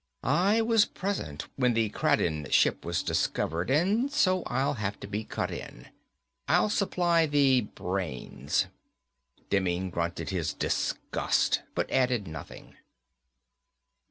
"I was present when the Kraden ship was discovered, so I'll have to be cut in. I'll supply the brains." Demming grunted his disgust, but added nothing.